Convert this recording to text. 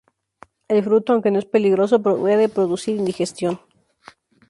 El fruto, aunque no es peligroso, puede producir indigestión.